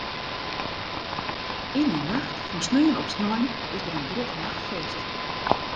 Yn 'e nacht fan sneon op snein is der in grut nachtfeest.